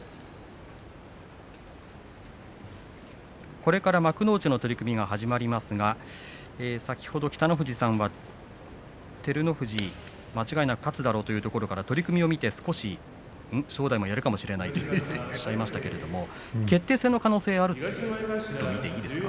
これから幕内の取組が始まりますが、先ほど北の富士さんは、照ノ富士が間違いなく勝つだろうというところから取組を見て少し正代もやるかもしれないとおっしゃいましたけれども決定戦の可能性はあると見ていいですか。